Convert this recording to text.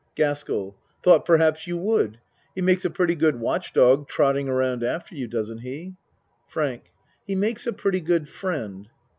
GASKELL Thought perhaps you would. He makes a pretty good watch dog trotting around af ter you. Doesn't he? FRANK He makes a pretty good friend.